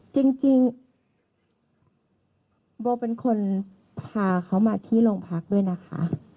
จริงโบเป็นคนพาเขามาที่โรงพักด้วยนะคะ